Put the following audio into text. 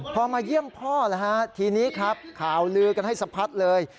พอมาเยี่ยมพ่อทีนี้ข่าวลือกันให้สะพัดเลย